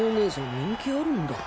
人気あるんだ。